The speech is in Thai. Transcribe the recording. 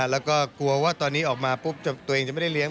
แล้วก็กลัวว่าตอนนี้ออกมาปุ๊บตัวเองจะไม่ได้เลี้ย